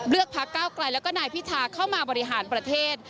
พักเก้าไกลแล้วก็นายพิธาเข้ามาบริหารประเทศ